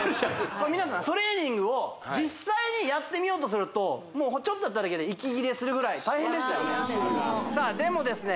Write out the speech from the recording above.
これ皆さんトレーニングを実際にやってみようとするともうちょっとやっただけででしたよねさあでもですね